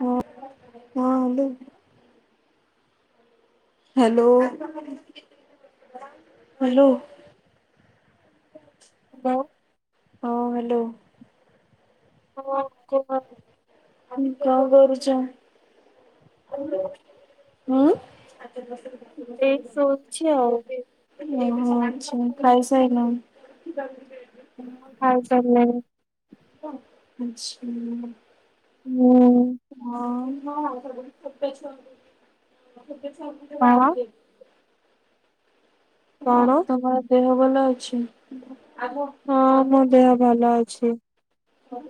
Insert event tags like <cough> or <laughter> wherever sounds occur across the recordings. ହଁ ହଁ aunty. Hello. Hello. <unintelligible> ହଁ ହାଲୋ। <inaudible> କଁ କରୁଛ? ହୁଁ ଉଁ ଏଇ ଶୋଇଛି ଆଉ। ହୁଁ ଅଛି। ଖାଇ ସାଇନ। ଖାଇ ସାରିଲିଣି। ହୁଁ। ଆଛା। ହଁ <inaudible> ହଁ କଣ ତମର ଦେହ ଭଲ ଅଛି? ହଁ ମୋ ଦେହ ଭଲ ଅଛି।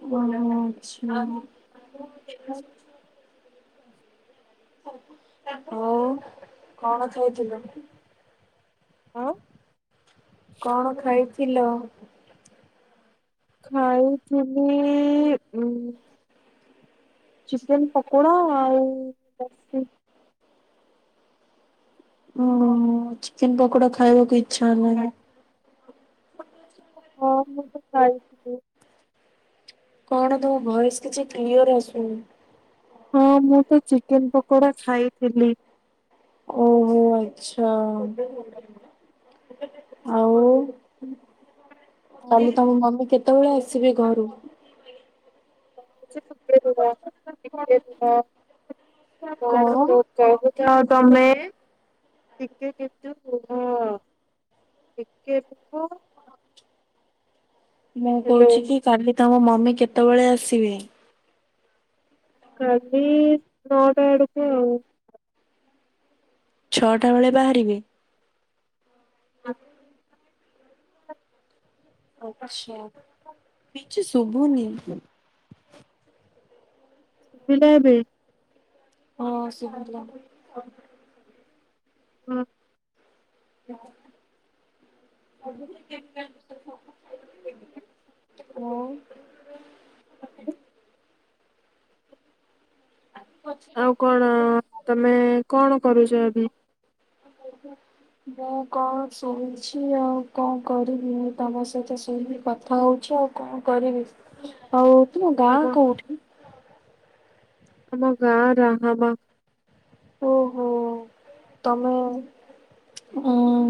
ହ ଆଛା। ହଉ କଣ ଖାଇଥିଲ? ଓଁ। କଣ ଖାଇଥିଲ। ଖାଇ ତେ ଉ ଚିକେନ ପକୋଡା ଆଉ ଲସି। ଓ ଚିକେନ ପକୋଡା ଖାଇବାକୁ ଇଚ୍ଛା ହେଲା। ହଁ ମୁଁ ତ ଖାଇଥିଲି। କଣ ତମ ଭଏସ୍ କିଛି କ୍ଲିୟର୍ ଆସୁନି। ହଁ ମୁଁ ତ ଚିକେନ୍ ପକୋଡା ଖାଇଥିଲି। ଓହୋ ଆଚ୍ଛା ଆଉ କଣ କାଲି ତମ ମମି କେ କେତେବେଳେ ଆସିବେ ଘରୁ। କଣ? <inaudible> <inaudible> ଟିକେ <unintelligible> ମୁଁ ହ୍ୟାଲୋ କହୁଛି କି କାଲି ତମ ମମି କେତେବେଳେ ଆସିବେ। କାଲି ନଅଟା ଆଡକୁ ଆଉ। ଛଅଟା ବେଳେ ବାହାରିବେ। ଆଚ୍ଛା। କିଛି ସୁଭୁନି। ବିଲାଇବେ। ହଁ ସୁଭିଲା। ହଁ। <inaudible> ଆଉ। ଆଉ କଣ ତମେ କଣ କରୁଛ ଏବେ। <inaudible> ମୁଁ କଣ ଶୋଇଛି ଆଉ କଣ କରିବି ମୁଁ ତମ ସହିତ ଶୋଇବି କଥା ହଉଛ ଆଉ କଣ କରିବି ଆଉ ତୁମ ଗାଁ ତମ କୋଉଠି। ଆମ ଗାଁ ରାହାମା। ଓହୋ ତମେ ଊଁ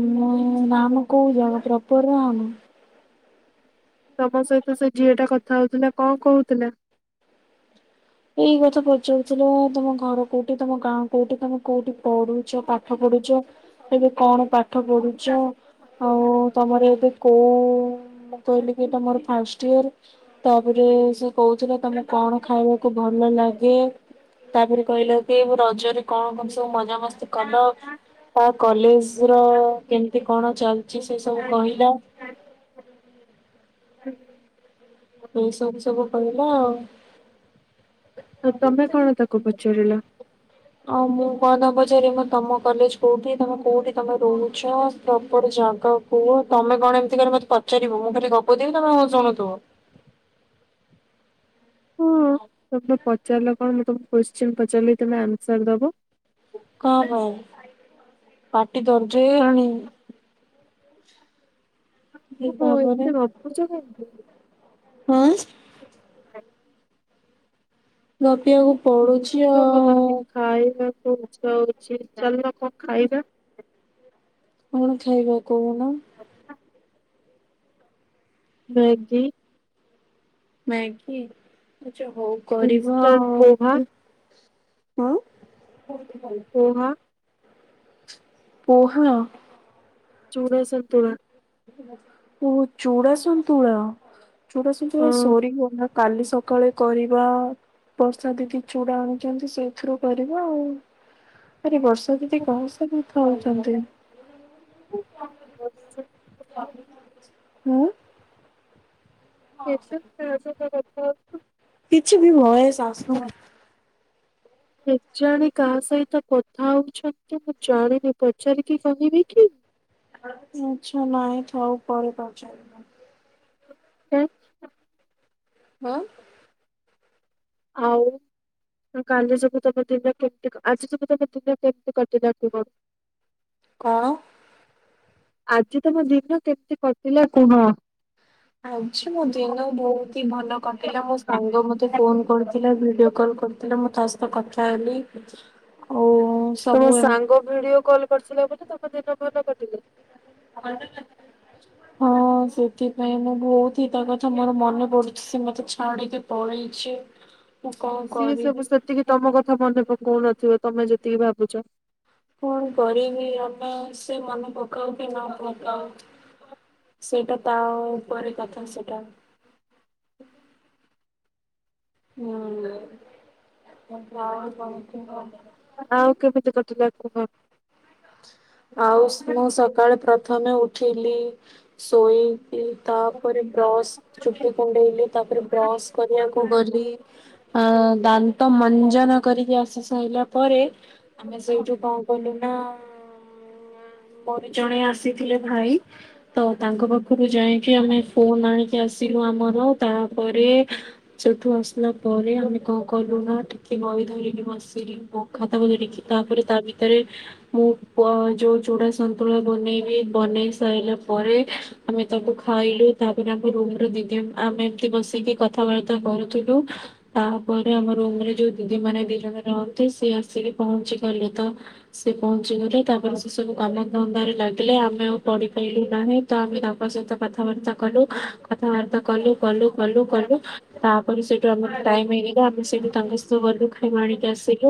ରାହାମା କୋଉ ଜାଗା ପ୍ରପର୍ ରାହାମା। ତମ ସହିତ ସେ ଝିଅ ଟା କଥା ହଉଥିଲା କଣ କହୁଥିଲା ଏଇ କଥା ପଚାରୁଥିଲ ତମ ଘର କୋଉଠି ତମ ଗାଁ କୋଉଠି ତମେ କୋଉଠି ପଢୁଛ ପାଠ ପଢୁଛ ଏବେ କଣ ପାଠ ପଢୁଛ ଆଉ ତମର ଏବେ କୋଉ ମୁଁ କହିଲି କି ତମର ଫାଷ୍ଟଇଅର୍ ତାପରେ ସେ କହୁଥିଲା ତମେ କଣ ଖାଇବ ଭଲ ଲାଗେ ତାପରେ କହିଲା କି ମୁଁ ରଜରେ କଣ କଣ ସବୁ ମଜା ମସ୍ତି କଲ ଆଉ କଲେଜ ର କେମତି କଣ ଚାଲିଛି ସେ ସବୁ କହିଲା ହ। ଏଇ ସବୁ ସବୁ କହିଲା ଆଉ। ତ ତମେ କଣ ତାକୁ ପଚାରିଲ। ଆଉ ମୁଁ କଣ ତାଙ୍କୁ ପଚାରିବି ମୁ ତମ କଲେଜ କୋଉଠି ତମେ କୋଉଠି ତମେ ରହୁଛ ପ୍ରପର୍ ଜାଗାକୁ ତମେ କଣ ଏମିତି କଲେ ମତେ ପଚାରିବ ମୁଁ ଖାଲି ଗପୁ ଥିବି ତମେ ଶୁଣୁଥିବ। ହଁ ତମେ ପଚାରିଲ କଣ ମୁଁ ତମକୁ କୋଶ୍ଚିନ୍ ପଚାରିଲି ତମେ ଆନ୍ସର ଦବ। କଣ ହଁ ପାଟି ଦରଜ୍ ହେଇଗଲାଣି। ଓହୋ ଏତେ ଗପୁଛ କାହିଁକି? <unintelligible> ଗପିବାକୁ ପଡୁଚି ଆଉ। ଗଲାଣି ଖାଇବାକୁ ଇଚ୍ଛା ହଉଚି ଚାଲୁନ କଣ ଖାଇବା। କଣ ଖାଇବ କହୁନ? ମ୍ୟାଗି। ମ୍ୟାଗି ଆଛା ହଉ କରିବା ଇନଷ୍ଟାଣ୍ଟ ଆଉ। ପୋହା ଉଁ। କହୁନ। କୁହ। ଚୁଡା ସନ୍ତୁଳା। ଓ ଚୁଡା ସନ୍ତୁଳା -ଚୁଡା ସନ୍ତୁଳା ହଁ। ସରିଗଲା। କାଲି ସକାଳେ କରିବା। ବର୍ଷା ଦିଦି ଚୁଡା ଆଣୁଚନ୍ତି ସେଇଥିରୁ କରିବା ଆଉ ଆରେ ବର୍ଷା ଏମିତି କହୁସନ୍ତି ଖାଉସନ୍ତି। <unintelligible> ହୁଁ। <unintelligible> କିଛି ବି ଭଏସ୍ ଆସୁନି। କେଜାଣି କାହା ସହିତ କଥା ହଉଛନ୍ତି ମୁଁ ଜାଣିନି ପଚାରିକି କହିବି କି? ଆଚ୍ଛା ନାଇଁ ଥାଉ ପରେ ପଚାରିବ। <unintelligible> ଆଁ। ଆଉ କାଲି ଯୋଗୁ ତମ ଦିନ କେମିତି ଆଜି ଯୋଗୁ ତମ ଦିନ କେମିତି କଟିଲା କୁହ? କଣ? ଆଜି ତମ ଦିନ କେମିତି କଟିଲା କୁହ? ଆଜି ମୋ ଦିନ ବହୁତ୍ ତି ଭଲ କଟିଲା ମୋ ସାଙ୍ଗ ମୋତେ ଫୋନ୍ କରିଥିଲା ଭିଡିଓ କଲ୍ କରି ଥିଲା ମୁଁ ତା ସହିତ କଥା ହେଲି ଆଉ ତମ ସବୁ ଏମତି ସାଙ୍ଗ ଭିଡିଓ କଲ୍ କରିଥିଲା ବୋଲି ତମ ଦିନ ଭଲ କଟିଲା। <inaudible> ହଁ ସେଥିପାଇଁ ମୁଁ ବହୁତ୍ ହି ତା କଥା ମର ମନେ ପଡୁଚି ସେ ମତେ ଛାଡିକି ପଳେଇଚି। ସିଏ ସବୁ ସେତିକି ତମ କଥା ମନେ ପକଉନଥିବେ ତମେ ଯେତିକି ଭାବୁଚ। କଣ କରିବି ଆମେ ସେ ମନେ ପକାଉ କି ନ ପକାଉ। ସେଇଟା ତା ଉପରେ କଥା ସେଟା। <unintelligible> ଆଉ କେମିତି କଟିଲା କୁହ? ଆଉ ସ-ମୁଁ ସକାଳେ ପ୍ରଥମେ ଉଠିଲି ଶୋଇକି ତାପରେ ବ୍ରସ୍ ଚୁଟି କୁଣ୍ଡେଇଲି ତାପରେ ବ୍ରସ୍ କରିବାକୁ ଗଲି। ଅ- ଦାନ୍ତ ମଞ୍ଜନ କରିକି ଆସି ସାରିଲା ପରେ ଆମେ ସେଇଠୁ କଣ କଲୁ ନା ମୋରି ଜଣେ ଆସିଥିଲେ ଭାଇ ତ ତାଙ୍କ ପାଖକୁ ଯାଇକି ଆମେ ଫୋନ୍ ଆଣିକି ଆସିଲୁ ଆମର ତାପରେ ସେଉଠୁ ଆସିଲା ପରେ ଆମେ କଁ କଲୁ ନା ଟିକେ ବଇ ଧରିକି ବସିଲୁ <unintelligible> ଖାତା ବହି ଧରିକି ତାପରେ ଏ ତା ଭିତେରେ ମୁଁ କଁ ଯୋଉ ଚୁଡା ସନ୍ତୁଳା ବନେଇବି ବନେଇ ସାଇଲା ପରେ ଆମେ ତାକୁ ଖାଇଲୁ ତାପରେ ଆ ମେ ରୁମରେ ଦିଦି ଉଁ ଆମେ ଏମତି ବସିକି କଥାବାର୍ତ୍ତା କରୁଥୁଲୁ। ତାପରେ ଆମ ରୁମରେ ଯୋଉ ଦିଦି ମାନେ ଦି ଜଣ ରହନ୍ତି ସେ ଆସିକି ପହଞ୍ଚିଗଲେ ତ ସେ ପହଞ୍ଚିଗଲେ ତାପରେ ଏସବୁ କାମ ଧନ୍ଦାରେ ଲାଗିଲେ ଆମେ ଆଉ ପଢିପାଇଲୁ ନାହିଁ ତ ଆମେ ତାଙ୍କ ସହିତ କଥାବାର୍ତ୍ତା କଲୁ। କଥାବାର୍ତ୍ତା କଲୁ କଲୁ କଲୁ କଲୁ ତାପରେ ସେଇଠୁ ଆମର ଟାଇମି ହେଇଗ ଆମେ ସେଇଠୁ ତାଙ୍କ ସହ ଗଲୁ ଖାଇବା ଆଣିକି ଆସିଲୁ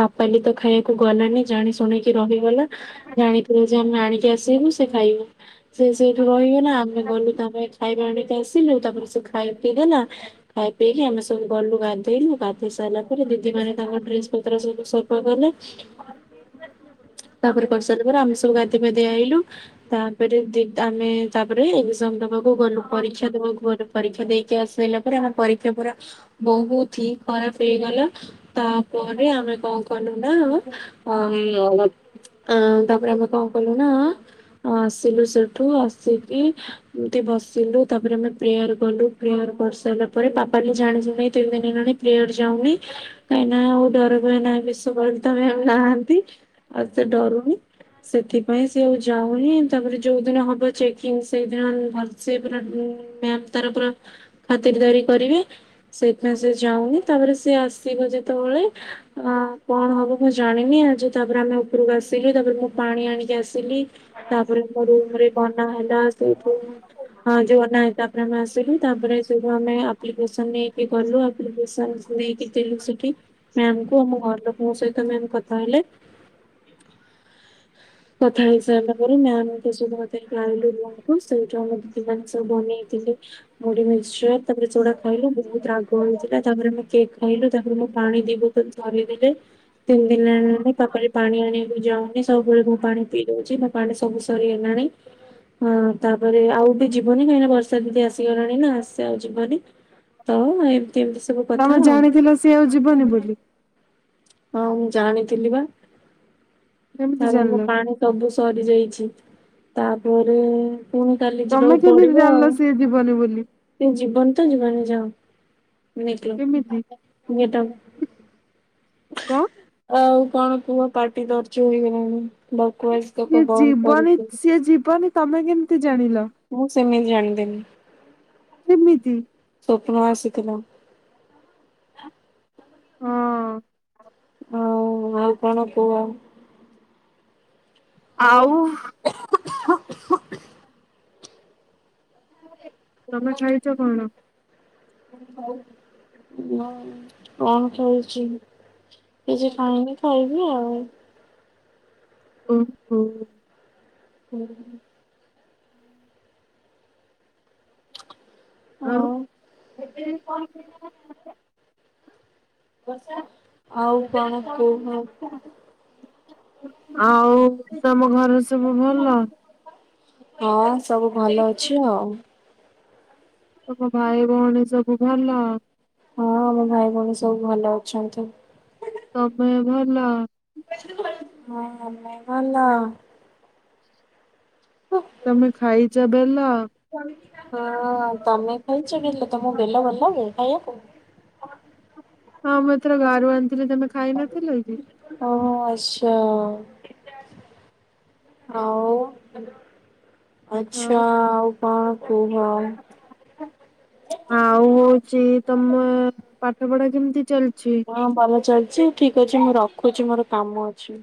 ପା ପାଲି ତ ଖାଇଆକୁ ଗଲାନି ଜାଣି ଶୁଣିକି ରହିଗଲା। ଜାଣିଥିଲୁ ଯେ ଆମେ ଆଣିକି ଆସିବୁ ସେ ଖାଇବ। ସେ ସେଇଠୁ ରହିଗଲା ଆମେ ଗଲୁ ତା ପାଇଁ ଖାଇବା ଆଣିକି ଆସିଲୁ ତାପରେ ସେ ଖାଇ ପିଇ ଦେଲା ଖାଇ ପିଇକି ଆମେ ସବୁ ଗଲୁ ଗାଧେଇଲୁ ଗାଧେଇ ସାଇଲା ପରେ ଦିଦିମାନେ ତାଙ୍କ ଡ୍ରେସ୍ ପତ୍ର ସବୁ ସଫା କଲେ। ତାପରେ କରି ସାଇଲା ପରେ ଆମେ ସବୁ ଗାଧେଇ ପାଧେଇ ଆଇଲୁ। ତାପରେ ଦିଦ୍ ଆମେ ତାପରେ ଏକ୍ଜାମ୍ ଦବା କୁ ଗଲୁ ପରୀକ୍ଷା ଦେବାକୁ ଗଲୁ ପରୀକ୍ଷା ଦେଇକି ଆସିସାଇଲା ପରେ ଆମେ ପରୀକ୍ଷା ପୁରା ବୋହୁତ ହି ଖରାପ ହେଇଗଲା। ତାପରେ ଆମେ କଁ କଲୁ ନା <unintelligible> ଆଁ ତାପରେ ଆମେ କଁ କଲୁ ନା ଆସିଲୁ ସେଠୁ ଆସିକି ଇମିତି ବସିଲୁ ତାପରେ ଆମେ ପ୍ରେୟାର କଲୁ ପ୍ରେୟାର କରିସାଇଲା ପରେ ପାପାଲି ଜାଣି ଶୁଣି ତିନ ଦିନ ହେଲାଣି ପ୍ଲେଟ ଯାଉନି କାହିଁକି ନା ଆଉ <unintelligible> ତମେ ଆଉ ନାହାନ୍ତି। ଆଉ ସେ ଡରୁନି। ସେଥିପାଇଁ ସିଏ ଆଉ ଯାଉନି ତାପରେ ଯୋଉ ଦିନ ହବ ଚେକିଂ ସେଇଦିନ ଭଲ ସେ ପୁରା ଉଁ ମ୍ୟାମ୍ ତାର ପୁରା ଖାତିରିଦାରି କରିବେ। ସେଇଥିପାଇଁ ସିଏ ଯାଉନି ତାପରେ ସିଏ ଆସିବ ଯେତବଳେ ଅଁ କଣ ହବ ମୁଁ ଜାଣିନି ଆଜି ତାପରେ ଆମେ ଉପୁରୁକୁ ଆସିଲୁ ତାପରେ ମୁଁ ପାଣି ଆଣିକି ଆସିଲି। ତାପରେ ମୋ ରୁମରେ ବନା ହେଲା ସେଉଠୁ ହଁ ଯୋଉ ନାହିଁ ତାପରେ ଆମେ ଆସିଲୁ ତାପରେ ସେଉଠୁ ଆମେ ଆପ୍ଲିକେସନ୍ ନେଇକି ଗଲୁ ଆପ୍ଲିକେସନ୍ ନେଇକି ଦେଲୁ ସିଠି ମ୍ୟାମଙ୍କୁ ଆମ ଘର ଲୋକଙ୍କ ସହିତ ମ୍ୟାମ୍ କଥା ହେଲେ। କଥା ହେଇସାରଲା ପରେ ମ୍ୟାମଗ୍ୟ ସବୁ କଥାରେ <unintelligible> ସେମାନେ ସବୁ ବନେଇଥିଲେ। ମୁଢି ମିକ୍ସଚର ତାପରେ ଚୁଡା ଖାଇଲୁ ବୋହୁତ ରାଗ ହଉଥିଲା ତାପରେ ଆମେ କେକ୍ ଖାଇଲୁ ତାପରେ ମୁଁ ପାଣି ଦି ବୋ- ତଲ୍ ଧରେଇଦେଲେ ତିନ ଦିନ ହେଲାଣି ତାପରେ ପାଣି ଆଣିଆକୁ ଯାଉନି ସବୁବେଳେ ମୋ ପାଣି ପିଇ- ଦଉଛି ମୋ ପାଣି ସବୁ ସରିଗଲାଣି। ହଁ ତାପରେ ଆଉ ବି ଯିବନି କାହିଁକି ନା ବର୍ଷା ଦିନ ଆସିଗଲାଣି ନା ସେ ଆଉ ଯିବନି। ତ ଏମତି ଏମତି ସବୁ କଥା ତମେ ଆଉ ଜାଣିଥିଲ ସିଏ ଆଉ ଯିବନି ବୋଲି। ହଁ ମୁଁ ଜାଣିଥିଲି ବା। କେମିତି ତାପରେ ମୋ ଜାଣିଲ? ପାଣି ସବୁ ସରି ଯାଇଛି ତାପରେ ପୁଣି କାଲି ତମେ ଯିବାକୁ କେମିତି ପଡିବ ଜାଣିଲ ଆଉ। ସିଏ ଯିବନି ବୋଲି <unintelligible> ଯିବନି ତ ଯିବନି ଯାଅ ନିକଲୋ କେମିତି? Get out. କଣ ଆଉ କଣ କୁହ ପାଟି ଦର୍ଜ ହେଇଗଲାଣି ବକୱାସ୍ ଇଏ ଯିବନି ସିଏ ଯିବନି ତମେ କିନ୍ତ୍ ମୁଁ ସେମିତି ଜାଣିଦେନି। କେମିତି? ସ୍ୱପ୍ନ ଆସିଥିଲା। ହଁ ହଉ ଆଉ କଣ କୁହ? ଆଉ କହିବେ। ଛୁଆ କେତେ ଭଲ। ହଉ ହଁ କଣ ଖେଳୁଛି? କିଛି ଖାଇନି ଖାଇବି ଆଉ। ଉଁ ହୁଁ। ହୁଁ ହଁ। ଆଉ ବର୍ଷା ଆଉ କଣ କହୁନ? ଆଉ ତମ ଘରେ ସବୁ ଭଲ? ହଁ ସବୁ ଭଲ ଅଛି ଆଉ। ତମ ଭାଇ ଭଉଣୀ ସବୁ ଭଲ? ହଁ ଆମ ଭାଇ ଭଉଣୀ ସବୁ ଭଲ ଅଛନ୍ତି। ସମୟ ଭଲ? ହଁ ଆମେ ଭଲ। ତମେ ଖାଇଛ ବେଲ? ହଁ ତମେ ଖାଇଛ ବେଲ ତମକୁ ବେଲ ଭଲ ଲାଗେ ଖାଇବାକୁ? ହଁ ମୁଁ ଏଥର ଗାଁରୁ ଆଣିଥିଲି ତମେ ଖାଇ ନଥିଲ କି? ଓହ ଆଛା ଆଉ। ଆଚ୍ଛା ଆଉ କଣ କୁହ? ଆଉ ହଉଛି ତମ ପାଠ ପଢା କେମିତି ଚାଲିଛି? ହଁ ଭଲ ଚାଲିଛି ଠିକ ଅଛି ମୁଁ ରଖୁଛି ମୋର କାମ ଅଛି।